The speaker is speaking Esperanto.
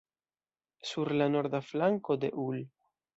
Sur la norda flanko de ul.